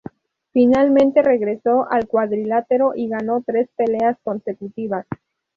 Finalmente regresó al cuadrilátero y ganó tres peleas consecutivas.